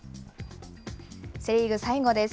セ・リーグ最後です。